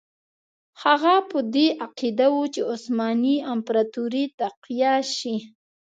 هغه په دې عقیده وو چې عثماني امپراطوري تقویه شي.